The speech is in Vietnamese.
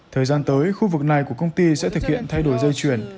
thời gian tới khu vực này của công ty sẽ thực hiện thay đổi dây chuyển